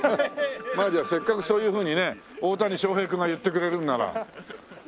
まあじゃあせっかくそういうふうにね大谷翔平君が言ってくれるんならおみくじやりましょ。